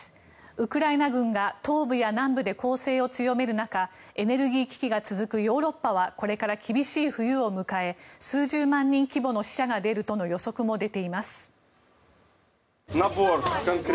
ウクライナ軍が東部や南部で攻勢を強める中エネルギー危機が続くヨーロッパはこれから厳しい冬を迎え数十万人規模の死者が出るとの予測も出ています。